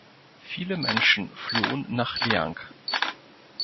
Viele Menschen flohen nach Liang.